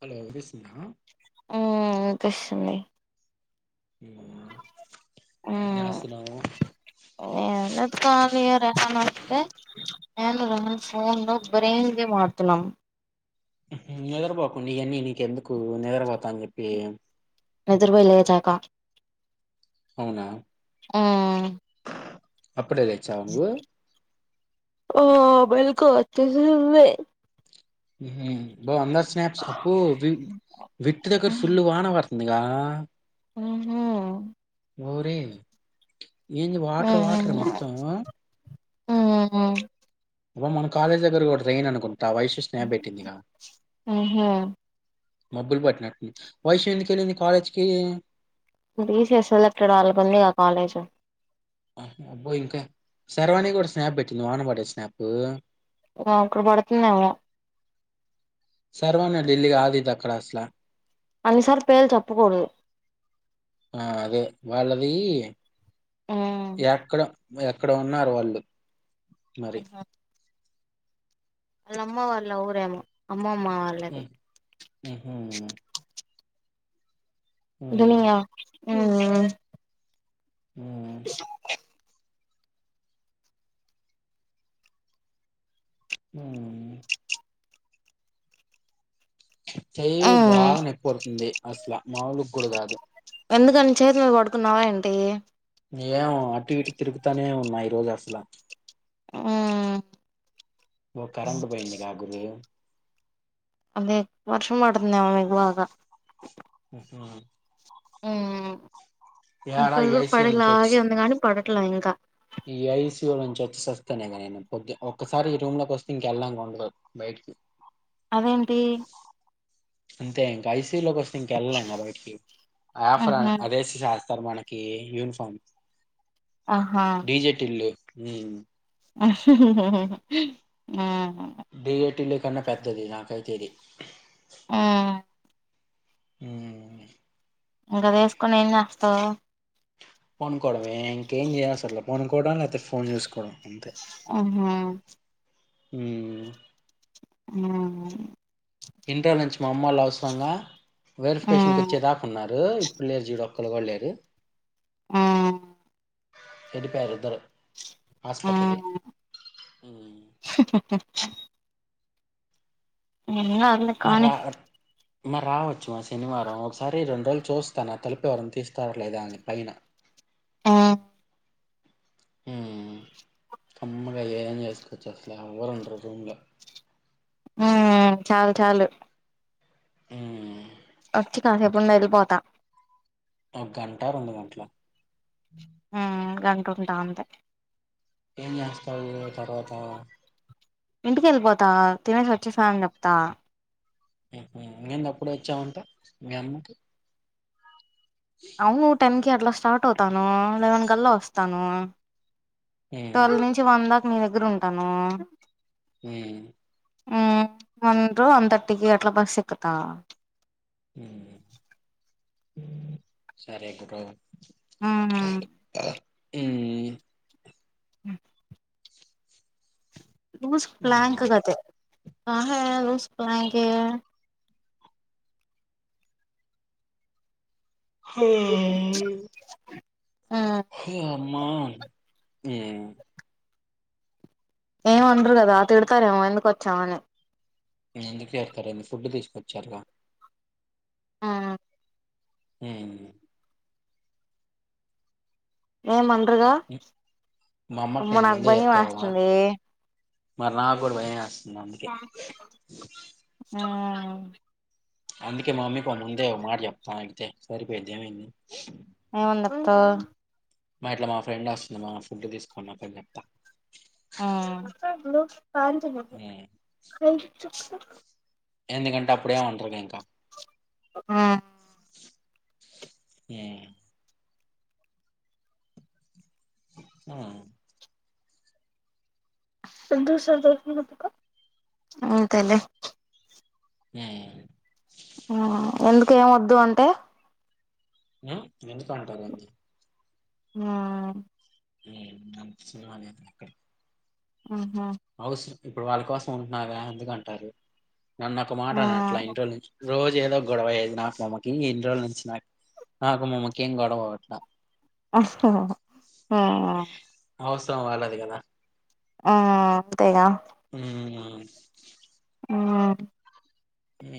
Hello వసునా ఆ ఇంకాస్తుంది ఇస్తునా ఎ కాలయ రహన్ వస్తే నను రన్ ఫోన్ ను బ్రయిన్గా మతున్నాం నిద్రపోకండి ఇవన్నీ నీకెందుకు నిద్రపోతా అని చెప్పి నదుర్పో లేజాకా అవునా ఆ అప్పుడదచ్చా అంగ ఆఓ బల్కుచ్చ బా అందా స్నాప్స్ అప్పు వి విట్ దగ్ర ఫుల్ వాన వర్త గా ఆహ ఊరి ఏంది వాటర్ వాటర్ మొత్తం ఆ అబ్బ మన కాలేజ్ దగ్గర కూడా ట్రైయిన్ అనుకుంటా వయసు స్నేప్ పెట్టిందిగా మబ్బులు పట్టిన వైసు ఎందుక వెళ్ళింది కాలేజ్కి బీసీఎస్ సెలెక్టెడ్ వాళ్ళకు ఉందిగా కాలేజ్ ఆ అబ్బోయి ఇంకా సర్వానికి కూడా స్నాప్ పెట్టింది వానవాడే స్నాప్ అక్కడ పడుతుందేమో సర్వాన్ని ఢలీగా ఆది దక్కడసలా అనిసార్ పేరు చెప్పుకూడదు ఆ అద వాళ్ళది ఉమ్ ఎక్కడ ఎక్కడ ఉన్నారు వాళ్ళు మరి అలా అమ్మ వాళ్ళ ఊరేమమ్ ఆ అనింగ ఉమ్, ఆ హ చై ఉమ్ బాగా నొప్పి పడుతుంది అసలు మాములు కూడా కాదు ఎందుకని చేతి మీద పడుకున్నావా ఏంటి ఏం అటు ఇటు తిరుగుతానే ఉన్నా ఈ రోజు అసలు ఆ ఓ కరెంట్ పోయింది కా గురు అదే వర్షం మతు నవ మగవగా ఆ ఇం ఈ కగుూరు ఐసీయూ నుంచి పడలా వచ్చి ఆగే వంద కానీ పడటలా ఇంకా ఈ ఐసియ నుంచి వచ్చేసి వస్తేనే కద నేను కొద్ది ఒక్కసారి ఈ రూమ్ లోకి వస్తే ఇంకెళ్ళం ఉండదు బయ అదేమింటి అంతే ఇంకా ఐసీ లోకి వస్తం ఇంకెళ్ళలేం బయ ఆఫ ఆహా అదే సార్ మనకి యూనిఫామ్ ఆహా డీజెట్ ఇల్లు ఆ డిఏటి లే కన్నా పెద్దది నాకైతేది ఆ ఉ త పోనుకోవమ ఏ ఇంకేం చేయ అసర్లే పోనుకోవడం లేకపోతే ఫోన్ చూసుకోవడం అంతే ఆ అ ఆ ఇంటర్ నుంచి మా అమ్మ వాళ్ళు అవసరంగా వెరిఫికేషన్ మ్మ్ వచ్చేదాకాన్నారు ఎప్పు లేరు చూడు ఒక్కరు కూడాళ్లేరు మ్మ్ తెడిపోారు ఇద్దరు ఆాస్పత్రకి మ్మ్ ఎలా అలా కానిి మా రావచ్చు మా శనివారం ఒకసారి రెండు రోజలు చూస్తాన తలిపే వరం తీస్తారలేదా ఆ పైన ఆ హ అమ్మగా ఏదైనా చేసుకోొచ్చు అసలే ఎవరుండరు రూమ్ల ఆ చాలు చాలు ఆ వచ్చి కాసేపుడుండ వెళ్ళిపోతా ఒక గంట రెండు గంటల ఆ అంటుంటా అంతే ఏం చేస్త తర్వాత ఇంటిక వెళ్ళిపోతా తినేసి వచ్చేసాన అని చెప్తా నేను అప్పుడ వచ్చామంట మీ అమ్మకి అవును టెన్కి అట్లా స్టార్ట్ అవుతాను లెవెన్ కల్లా వస్తాను ఉమ్ ట్వెల్వ్ నుంచి వన్ దాకా మీ దగ్గర ఉంటాను హ ఉ వంద వంద ర్టీకి అట్లా బాస్ సికుతా సరేకు అవునా ఏ అ లూస్ ఉమ్ ప్లాంక్ కతే కా లూస్ ప్లాంక్ హ మ్మ్ అమా ఆ ఏం ఉండరు కదా తిడతారేమో ఎందుకు వచ్చామని ఎందుకు చేరుతారండి ఫుడ్ తీసుకొచ్చారుగా ఆ హ మేమ అండరుగా మా అమ్మకి అమ్మ నేను ముందే నాకుబ్బాయి చెప్తా ఒక మాట వస్తుంది మరి నాకు కూడా భయం వేస్తుంది అందుకే అవు అందుకే మామ్మీ ముందే ఒక మాట చెప్తాను అగితే సరిపోయిద్దేమంది ఏమని జెప్తాతవ్ మా ఇట్లా మా ఫ్రెండ్ వస్తుంది మా ఫుడ్ తీసుకునికని చెప్తా ఆ ఉమ్ ఎందుకంటే అప్పుడేమానరు గా ఇంక ఉమ్ ఉ ఆ అంతేలే ఉమ్ మ్మ్ ఎందుకు ఏమొద్దు అంటే మ్ ఎందుకు అంటారు ఆ ఉమ్ [unintelligible] ఆహ ఇప్పుడు వాళ్ళ కోసం ఉంటున్నాగా ఎందుకు అంటారు నన్ను ఒక మాట ఆ అట్లా ఇంట్లో నుంచి రోజు ఏదో గొడవయేది నాకు మా అమ్మ కీ ఎన్ని రోజుల నుంచి నాకు నాకు మామ్మక ఏం గొడవవట్లా మ్మ్ వాలదు కదా ఉ అంతేగా మ్మ్ ఆ ఉ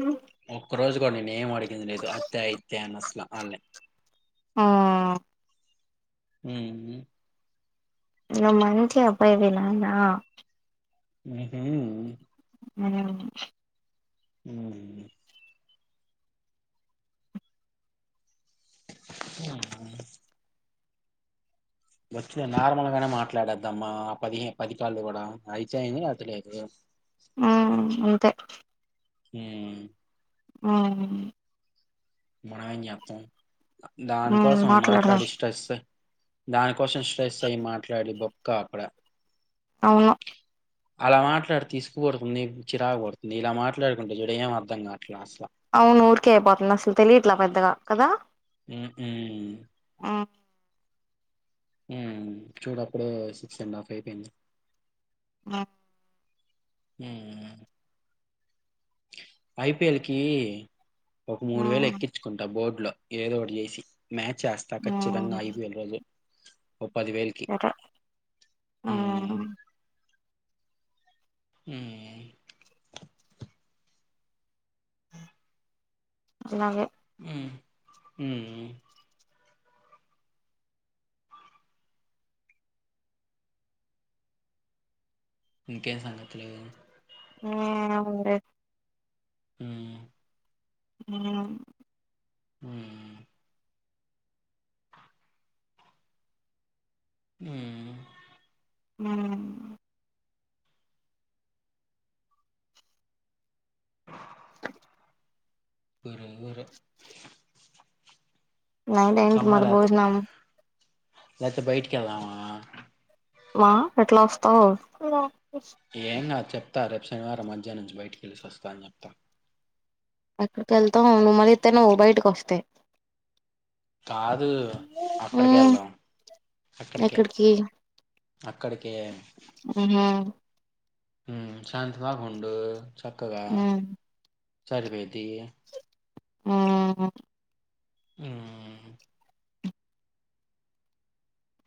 మ్ ఒక్క రోజు కూడా నేనే ఏం అడిగింది లేదు అతే ఇతే అనీ అసలు అల్ని ఆ మ్మ్ నువ్వు మంచి అబ్బాయివి ఉఉ ఉ హ ఆ [inaudible] వచ్చ నార్మల్గానే మాట్లాడద్దమ్మా ఆ పది పది కాళ్ళ కూడా అయితేయింది అదిలేదు ఆ అంతే ఉమ్ ఆ మనం ఏంచేస్తాం మ్మ్ దానికోసం మాట్లాడదాం మాట్లాడి స్ట్రెస్ దాని క్వశ్చన్ స్ట్రెస్ అయ్యి మాట్లాడి బొక్క అక్కడ అవును అలా మాట్లాడి తీసుకుపోడుతుంది నీకు చిరాకు పడుతుంది ఇలా మాట్లాడుకుంటే చూడు ఏం అర్థంకాట్ల అసలు అవును ఊరీకే అయిపోతుంది అసలు తెలియ ఇట్లా పెద్దగా కదా ఉమ్ ఆ మ్మ్ చూడప్పుడు సిక్స్ అండ్ హాఫ్ అయిపోయింది ఆ మ్ ఐపీఎల్ కి ఒక మూడు వేలు హ్మ్. ఎక్కించుకుంటా బోర్డు లో ఏదోకటి చేసి మ్యాచ్ చేస్తా ఖచ్చితంగా హ్మ్. ఐబిఎల్ రోజు ఓ పదివేలికి సరే హ్మ్. ఉమ్ అలాగే మ్ మ్మ్మ్మ్ ఇంకేం సంఘతులూ ఏం ఉంది మ్మ్మ్మ్ మ్మ్మ్మ్ మ్మ్మ్మ్ మ్మ్మ్మ్ మ్మ్మ్మ్ ఒరె ఒరె నైట్ ఏంటి మరి భోజనం లేతే బయ్టికెళ్దామా వా ఎట్లా వస్తవ్ ఏం గాదు చెప్తా రేపు శనివారం మధ్యనుంచి బయ్టికెళ్ళెసి వస్తా అని చెప్తా ఎక్కడికెళ్తవ్ నువ్ ఇతనువ్ బయటకి వస్తే కాదు అక్కడికే మ్మ్ ఎళ్దాం అక్కడికే ఎక్కడికి అక్కడికే మ్మ్ హు మ్మ్ సాయత్రం దాక ఉండు చక్కగ మ్మ్ సరిపెద్దీ హ్మ్ హు మ్మ్మ్మ్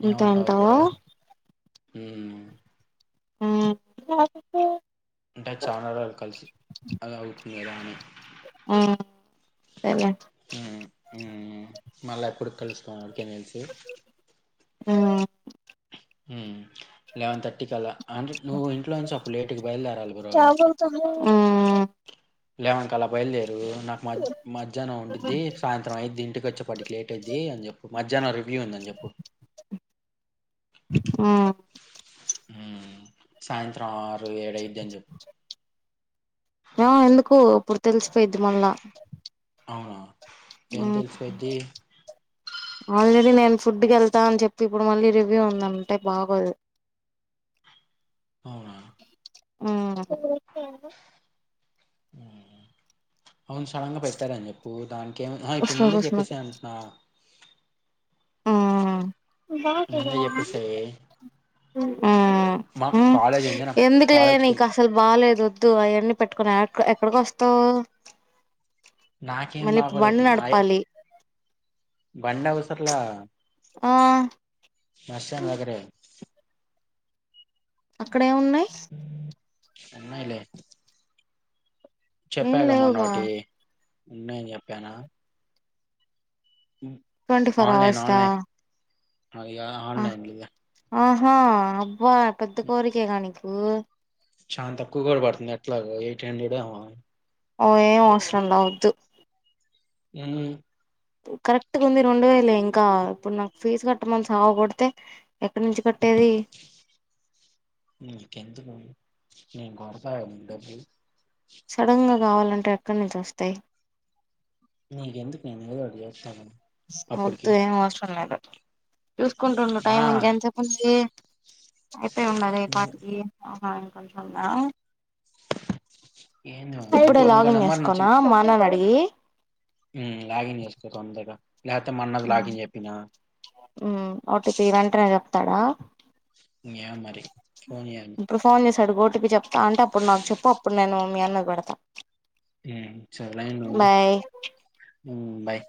ఇంక అంటావూ మ్మ్మ్మ్ మ్మ్మ్మ్ అంటే చాలా రోలు కల్సి అల అవుతుంది కద అని మ్మ్ అంతేలే ఉమ్ ఉమ్ మళ్ళా ఎప్పుడిక్ కలుస్తామో ఎవడికేం తెలుసు మ్మ్ మ్మ్మ్మ్ లెవెన్ థర్టీకి అల అంటే నువ్వు ఇంట్లో నుంచి అపు లేటుగ బయలుదేరాలి బ్రో మ్మ్మ్ లెవెన్ కల బయల్ దేర్ నువ్వు నాకు మ మధ్యాహ్నం ఉండిద్ది సాయంత్రం అయిద్ది ఇంటికొచ్చేపాటికి లేట్ అయిద్ది అని చెప్పు మధ్యాహ్నం రివ్ వ్యూ ఉంది అని చెప్పు మ్మ్ మ్మ్మ్మ్ సాయంత్రం ఆరు ఏడయిద్ది అని చెప్పు ఆ ఎందుకు ఇప్పుడు తెల్సిపోయిద్ది మళ్ళా అవునా ఏం మ్మ్మ్మ్ తెలిసిపోయిద్ది ఆల్ లి నేన్ ఫుడ్కి ఎళ్తా అని చెప్పి ఇప్పుడు మళ్ళీ రివ్యూ ఉందంటే బాగోదు అవునా మ్మ్మ్మ్ అవును సడన్గా పెట్టారని చెప్పు దానికెం ఆహా ఇప్పుడు వస్తున్నా ముందే వస్తున్నా చెప్పేసె అంట్న ఆ ముందే చెప్పేసేయ్ ఆ మా మ్ కాలేజ్ ఉంది నాకు ఎందుకులే కాలేజ్కి నీకు వెళ్ళి అసలు బాలేదు ద్దు అయన్నీ పెట్టుకుని ఎక్ ఎక్కడికి వస్తావ్ నాకేం మళ్ళీ బాగోలేదు బండి మా ఆయ- నడపాలి బండి అవసరంలే ఆ బస్ స్టాండ్ దగ్గరే అక్కడే ఏవున్నాయ్ ఉన్నాయ్ లే ఏం చేప్పాగా లేవుగా మొన్నోటి ఉన్నాయని చెప్పాన ట్వంటీ ఫోర్ అవర్స్ క అయ్య ఆన్లైన్లీయ ఆహా అబ్బా పెద్ద కోరికే గా నీకు చాన్ తక్కువ కూడా పడుతుంది ఎట్లగో ఎయిట్ హండ్రెడ్ ఏమో ఏం అవసరం లే వద్దు ఏమి కరెక్ట్ గుంది రెండు వేలే ఇంకా ఇప్పుడు నాకు ఫీజు కట్టమని సావ గొడితే ఎక్కడి నుంచి కట్టేది నీకెందుకు నేను కొడతా నీకు డబ్బు సడన్ గా కావాలంటే ఎక్కడి నుంచి వస్తాయి నీకు ఎందుకు నేను ఏదోకటి చేస్తా గా వద్దు ఏం అవసరం లేదు చూసుకుంటుండు టైం మా ఇంకెంతసేపుంది అయిపోయి ఉండాలే ఈ నువ్వు పాటికి ఆ ఇంకొంచెం ఉందా ఏంది మామ ఇంకో ఇప్పుడే ఇంకో లాగింగ్ చేసుకోనా మా అన్నని అడిగి మ్ లాగిన్ చేసుకో తొందరగా లేపోతే మన్నది లాగిన్ చేపినా మ్ ఓటి త్రీ వెంటనే చెప్తాడా ఎం మరి ఫోన్ని వాడికి ఓటిపి చెప్తా అంటే అప్పుడు నాకు చెప్పు అప్పుడు నేను మీ అన్న కి పెడతా మ్ సలై ఉండు బాయ్ మ్ బై